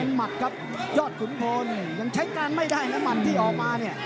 หมัดครับยอดขุนพลยังใช้การไม่ได้นะหมัดที่ออกมาเนี่ย